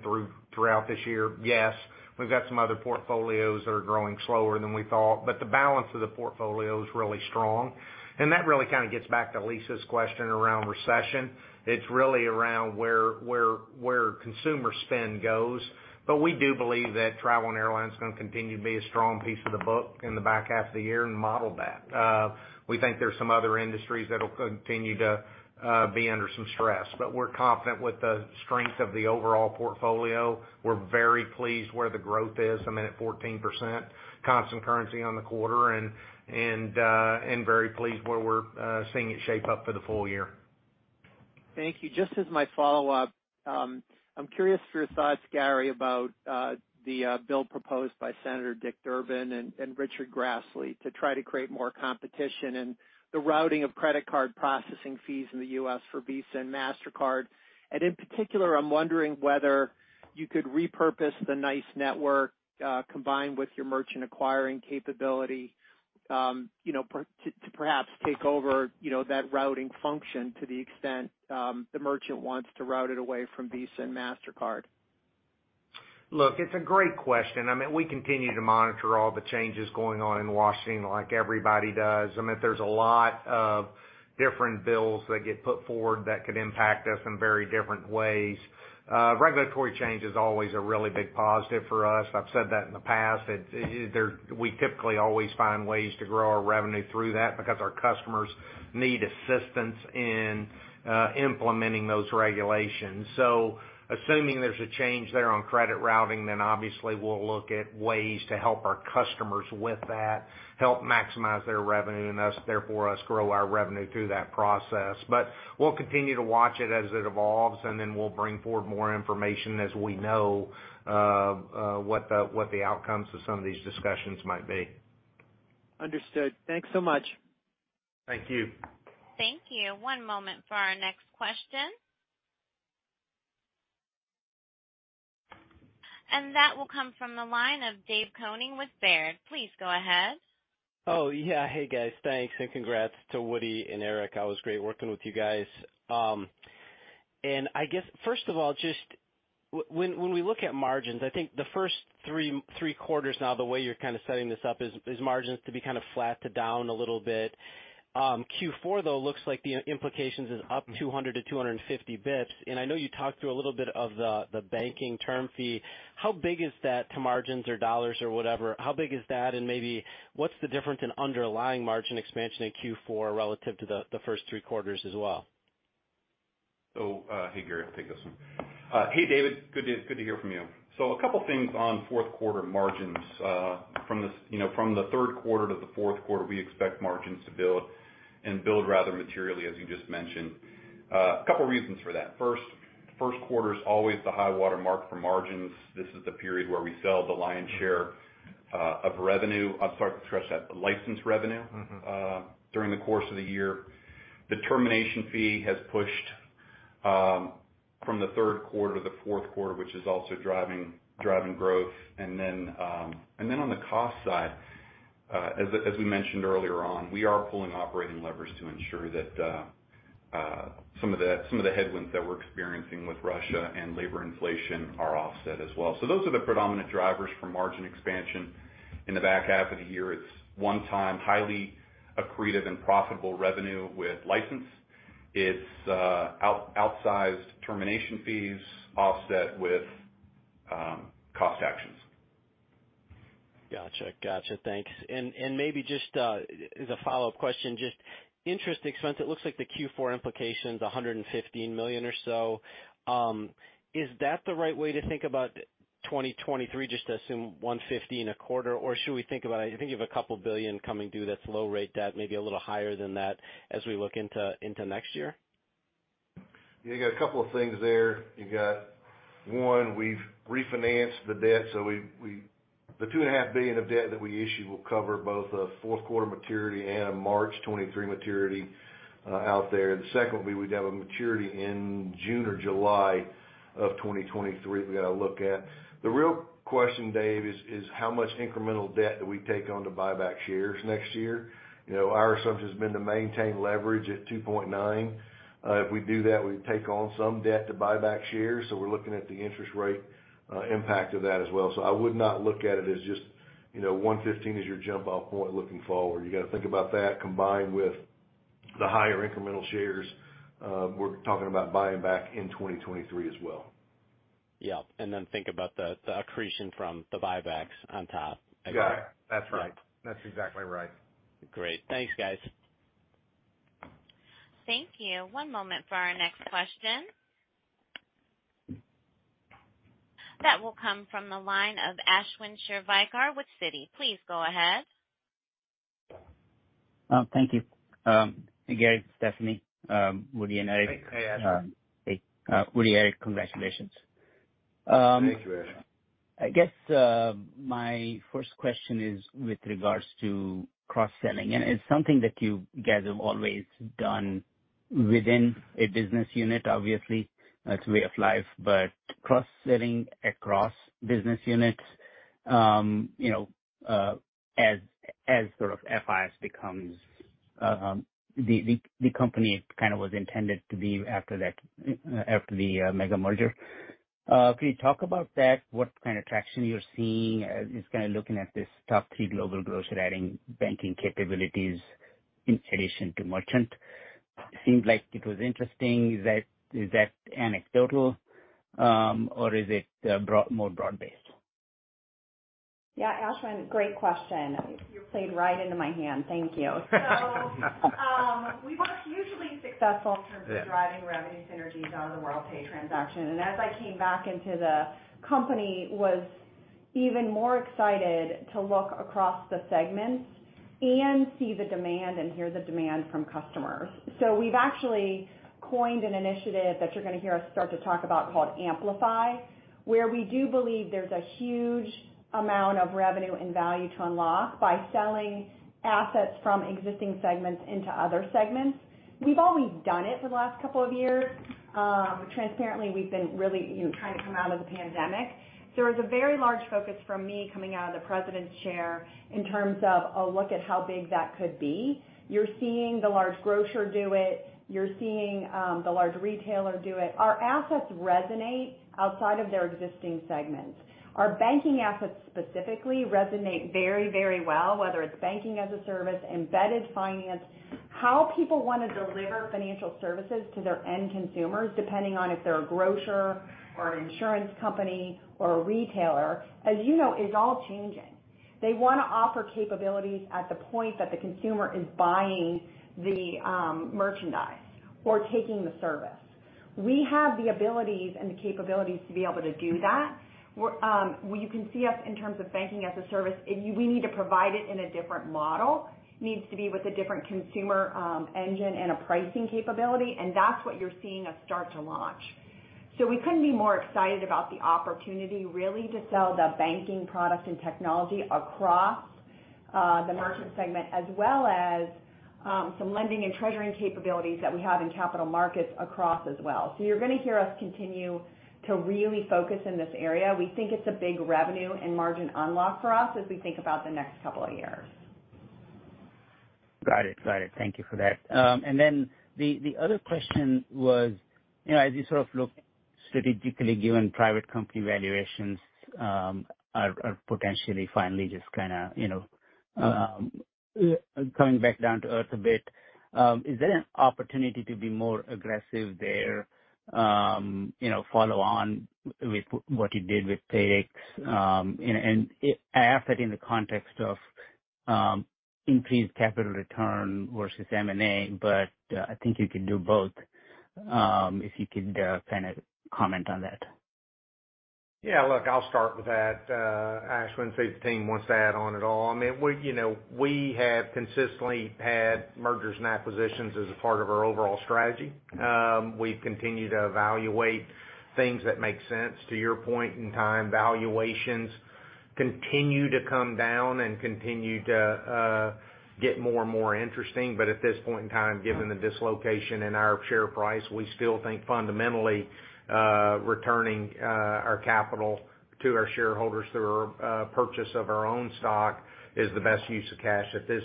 throughout this year? Yes. We've got some other portfolios that are growing slower than we thought, but the balance of the portfolio is really strong. That really kind of gets back to Lisa's question around recession. It's really around where consumer spend goes. We do believe that travel and airlines is gonna continue to be a strong piece of the book in the back half of the year and model that. We think there's some other industries that'll continue to be under some stress, but we're confident with the strength of the overall portfolio. We're very pleased where the growth is. I mean, at 14% constant currency on the quarter and very pleased where we're seeing it shape up for the full year. Thank you. Just as my follow-up, I'm curious for your thoughts, Gary, about the bill proposed by Senator Dick Durbin and Chuck Grassley to try to create more competition and the routing of credit card processing fees in the U.S. for Visa and Mastercard. In particular, I'm wondering whether you could repurpose the NYCE network combined with your merchant acquiring capability, you know, to perhaps take over, you know, that routing function to the extent the merchant wants to route it away from Visa and Mastercard. Look, it's a great question. I mean, we continue to monitor all the changes going on in Washington like everybody does. I mean, there's a lot of different bills that get put forward that could impact us in very different ways. Regulatory change is always a really big positive for us. I've said that in the past. We typically always find ways to grow our revenue through that because our customers need assistance in implementing those regulations. Assuming there's a change there on credit routing, then obviously we'll look at ways to help our customers with that, help maximize their revenue, and thus therefore us grow our revenue through that process. We'll continue to watch it as it evolves, and then we'll bring forward more information as we know what the outcomes to some of these discussions might be. Understood. Thanks so much. Thank you. Thank you. One moment for our next question. That will come from the line of David Koning with Baird. Please go ahead. Oh, yeah. Hey, guys. Thanks, and congrats to Woody Woodall and Erik Hoag. It was great working with you guys. I guess first of all, just when we look at margins, I think the first three quarters now, the way you're kind of setting this up is margins to be kind of flat to down a little bit. Q4, though, looks like the implications is up 200-250 basis points. I know you talked through a little bit of the banking term fee. How big is that to margins or dollars or whatever? How big is that and maybe what's the difference in underlying margin expansion in Q4 relative to the first three quarters as well? Hey, Gary, I'll take this one. Hey, David, good to hear from you. A couple things on fourth quarter margins. You know, from the third quarter to the fourth quarter, we expect margins to build and build rather materially, as you just mentioned. A couple reasons for that. First quarter is always the high-water mark for margins. This is the period where we sell the lion's share of revenue. I'm sorry to stress that, license revenue. Mm-hmm During the course of the year. The termination fee has pushed from the third quarter to the fourth quarter, which is also driving growth. On the cost side, as we mentioned earlier on, we are pulling operating levers to ensure that some of the headwinds that we're experiencing with Russia and labor inflation are offset as well. Those are the predominant drivers for margin expansion in the back half of the year. It's one time highly accretive and profitable revenue with license. It's outsized termination fees offset with cost actions. Gotcha. Thanks. Maybe just as a follow-up question, just interest expense, it looks like the Q4 implication's $115 million or so. Is that the right way to think about 2023 just to assume $115 a quarter, or should we think about, I think you have a couple billion coming due that's low-rate debt, maybe a little higher than that as we look into next year? You got a couple of things there. You got one, we've refinanced the debt, so we the $2.5 billion of debt that we issued will cover both a fourth quarter maturity and a March 2023 maturity out there. Secondly, we'd have a maturity in June or July of 2023 that we gotta look at. The real question, Dave, is how much incremental debt do we take on to buy back shares next year? You know, our assumption has been to maintain leverage at 2.9. If we do that, we take on some debt to buy back shares. We're looking at the interest rate impact of that as well. I would not look at it as just, you know, 1.15 is your jump off point looking forward. You got to think about that combined with the higher incremental shares, we're talking about buying back in 2023 as well. Yeah. Think about the accretion from the buybacks on top. Yeah. That's right. Yeah. That's exactly right. Great. Thanks, guys. Thank you. One moment for our next question. That will come from the line of Ashwin Shirvaikar with Citi. Please go ahead. Thank you. Hey, Gary, Stephanie, Woody, and Erik. Hey, Ashwin. Hey. Woody, Eric, congratulations. Thank you, Ashwin. I guess, my first question is with regards to cross-selling, and it's something that you guys have always done within a business unit, obviously. It's a way of life, but cross-selling across business units, you know, as sort of FIS becomes, the company kind of was intended to be after that, after the mega merger. Can you talk about that? What kind of traction you're seeing, just kind of looking at this top three global grocer adding banking capabilities in addition to merchant? It seemed like it was interesting. Is that anecdotal, or is it more broad-based? Yeah, Ashwin, great question. You played right into my hand. Thank you. We were hugely successful in terms of driving revenue synergies out of the Worldpay transaction. As I came back into the company, was even more excited to look across the segments and see the demand and hear the demand from customers. We've actually coined an initiative that you're gonna hear us start to talk about called Amplify, where we do believe there's a huge amount of revenue and value to unlock by selling assets from existing segments into other segments. We've always done it for the last couple of years. Transparently, we've been really, you know, trying to come out of the pandemic. There was a very large focus from me coming out of the president's chair in terms of a look at how big that could be. You're seeing the large grocer do it. You're seeing the large retailer do it. Our assets resonate outside of their existing segments. Our banking assets specifically resonate very, very well, whether it's banking as a service, embedded finance. How people want to deliver financial services to their end consumers, depending on if they're a grocer or an insurance company or a retailer, as you know, is all changing. They wanna offer capabilities at the point that the consumer is buying the merchandise or taking the service. We have the abilities and the capabilities to be able to do that. You can see us in terms of banking as a service. We need to provide it in a different model. Needs to be with a different consumer engine and a pricing capability, and that's what you're seeing us start to launch. We couldn't be more excited about the opportunity really to sell the banking product and technology across the merchant segment, as well as some lending and treasury capabilities that we have in capital markets across as well. You're gonna hear us continue to really focus in this area. We think it's a big revenue and margin unlock for us as we think about the next couple of years. Got it. Thank you for that. And then the other question was, you know, as you sort of look strategically given private company valuations, are potentially finally just kinda, you know, coming back down to earth a bit, is there an opportunity to be more aggressive there, you know, follow on with what you did with Payrix? And I ask that in the context of increased capital return versus M&A, but I think you can do both. If you could kinda comment on that. Yeah. Look, I'll start with that, Ashwin. See if the team wants to add on at all. I mean, we have consistently had mergers and acquisitions as a part of our overall strategy. We've continued to evaluate things that make sense to your point. In time, valuations continue to come down and continue to get more and more interesting. At this point in time, given the dislocation in our share price, we still think fundamentally, returning our capital to our shareholders through our purchase of our own stock is the best use of cash at this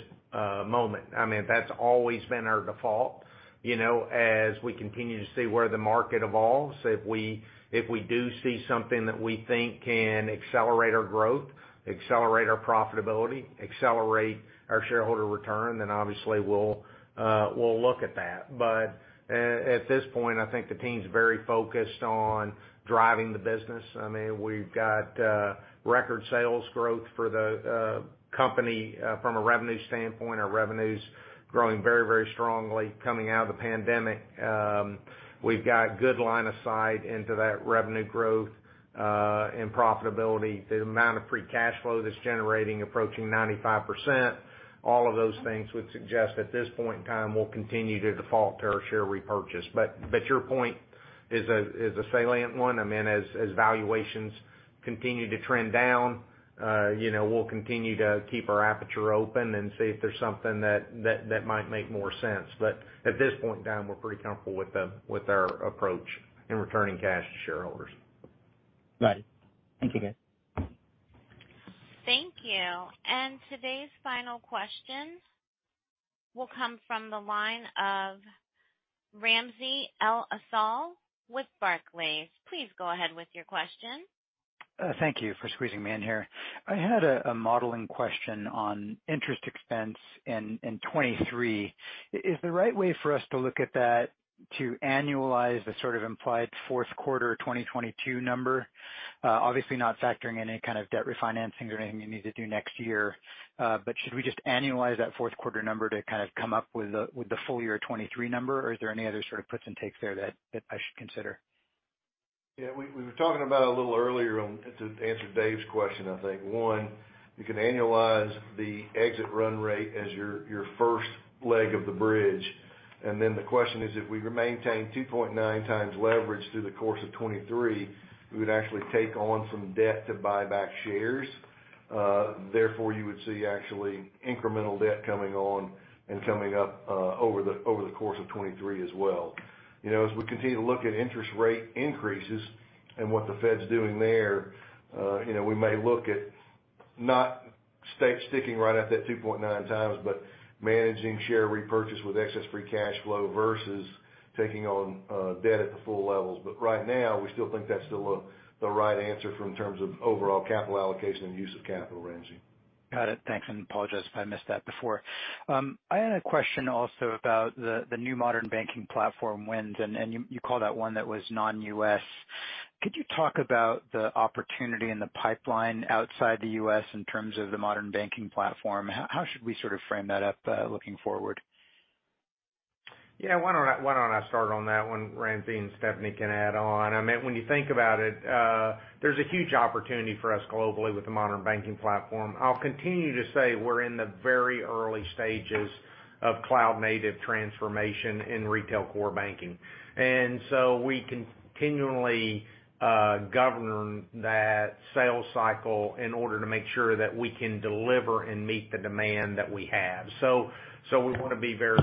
moment. I mean, that's always been our default. You know, as we continue to see where the market evolves, if we do see something that we think can accelerate our growth, accelerate our profitability, accelerate our shareholder return, then obviously we'll look at that. At this point, I think the team's very focused on driving the business. I mean, we've got record sales growth for the company. From a revenue standpoint, our revenue's growing very, very strongly coming out of the pandemic. We've got good line of sight into that revenue growth and profitability. The amount of free cash flow that's generating approaching 95%. All of those things would suggest at this point in time, we'll continue to default to our share repurchase. Your point is a salient one. I mean, as valuations continue to trend down, you know, we'll continue to keep our aperture open and see if there's something that might make more sense. At this point in time, we're pretty comfortable with our approach in returning cash to shareholders. Got it. Thank you, guys. Thank you. Today's final question will come from the line of Ramsey El-Assal with Barclays. Please go ahead with your question. Thank you for squeezing me in here. I had a modeling question on interest expense in 2023. Is the right way for us to look at that to annualize the sort of implied for Q4 2022 number? Obviously not factoring any kind of debt refinancings or anything you need to do next year. Should we just annualize that fourth quarter number to kind of come up with the full year 2023 number, or is there any other sort of puts and takes there that I should consider? Yeah. We were talking about a little earlier on to answer Dave's question, I think. One, you can annualize the exit run rate as your first leg of the bridge. The question is, if we maintain 2.9x leverage through the course of 2023, we would actually take on some debt to buy back shares. Therefore, you would see actually incremental debt coming on and coming up, over the course of 2023 as well. You know, as we continue to look at interest rate increases and what the Fed's doing there, you know, we may look at not sticking right at that 2.9x, but managing share repurchase with excess free cash flow versus taking on, debt at the full levels. Right now, we still think that's still the right answer in terms of overall capital allocation and use of capital, Ramsey. Got it. Thanks, and apologize if I missed that before. I had a question also about the new Modern Banking Platform wins, and you called out one that was non-U.S. Could you talk about the opportunity in the pipeline outside the U.S. in terms of the Modern Banking Platform? How should we sort of frame that up, looking forward? Yeah. Why don't I start on that one, Ramsey, and Stephanie can add on. I mean, when you think about it, there's a huge opportunity for us globally with the Modern Banking Platform. I'll continue to say we're in the very early stages of cloud-native transformation in retail core banking. We continually govern that sales cycle in order to make sure that we can deliver and meet the demand that we have. We wanna be very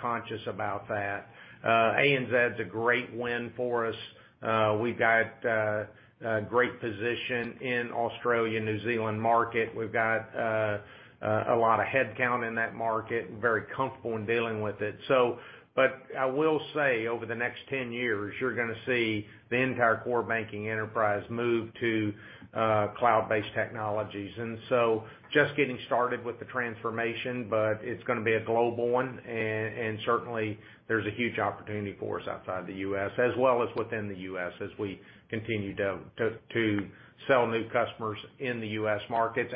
conscious about that. ANZ's a great win for us. We've got a great position in Australia and New Zealand market. We've got a lot of headcount in that market, very comfortable in dealing with it. I will say, over the next 10 years, you're gonna see the entire core banking enterprise move to cloud-based technologies. Just getting started with the transformation, but it's gonna be a global one. Certainly there's a huge opportunity for us outside the U.S. as well as within the U.S. as we continue to sell new customers in the U.S. markets.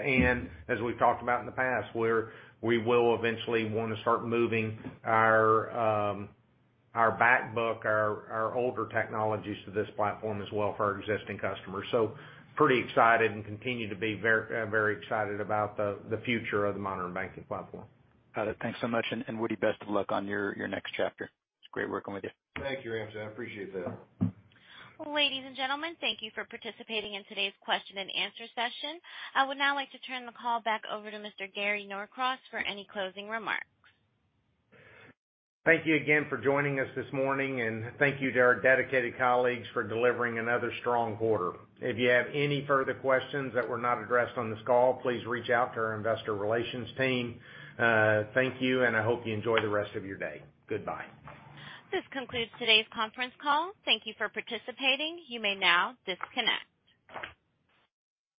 As we've talked about in the past, we will eventually wanna start moving our back book, older technologies to this platform as well for our existing customers. Pretty excited and continue to be very excited about the future of the Modern Banking Platform. Got it. Thanks so much. Woody, best of luck on your next chapter. It's great working with you. Thank you, Ramsey. I appreciate that. Ladies and gentlemen, thank you for participating in today's question and answer session. I would now like to turn the call back over to Mr. Gary Norcross for any closing remarks. Thank you again for joining us this morning, and thank you to our dedicated colleagues for delivering another strong quarter. If you have any further questions that were not addressed on this call, please reach out to our investor relations team. Thank you, and I hope you enjoy the rest of your day. Goodbye. This concludes today's conference call. Thank you for participating. You may now disconnect.